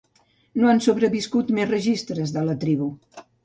No han sobreviscut més registres de la tribu.